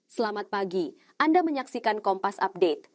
selamat pagi anda menyaksikan kompas update